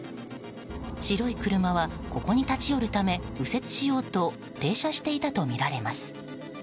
白い車はここに立ち寄るため右折しようと停車していたとみられます。